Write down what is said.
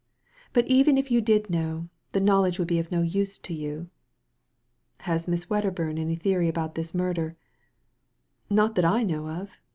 But even if you did know, the knowledge would be of no use to you." "Has Miss Wedderburn any theory about this murder ?"" Not that I know of.